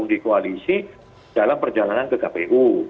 jangan dikualisi dalam perjalanan ke kpu